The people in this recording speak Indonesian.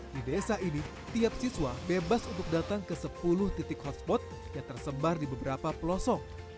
di desa ini tiap siswa bebas untuk datang ke sepuluh titik hotspot yang tersebar di beberapa pelosok